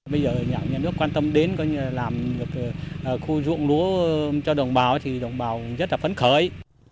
bây giờ nhà nước quan tâm đến làm việc khu ruộng lúa cho đồng bào thì đồng bào rất là phấn khởi